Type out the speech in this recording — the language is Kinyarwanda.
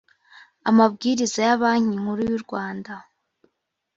amabwiriza ya banki nkuru y u rwanda